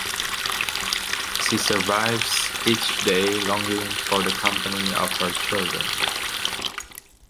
She survives each day longing for the company of her children.